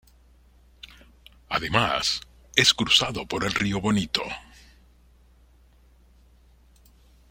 Además, es cruzado por el río Bonito.